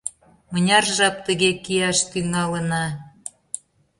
Мыняр жап тыге кияш тӱҥалына?